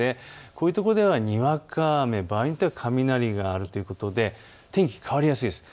こういうところではにわか雨、場合によっては雷があるということで天気が変わりやすいです。